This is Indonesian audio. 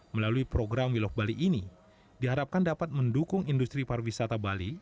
melalui program wiloh bali ini diharapkan dapat mendukung industri pariwisata bali